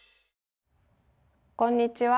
こんにちは。